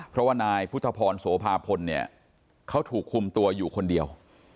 เพราะว่านายพุทธพรโสภาพลเนี่ยเขาถูกคุมตัวอยู่คนเดียว